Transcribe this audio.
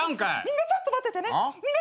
「みんなちょっと待ってて」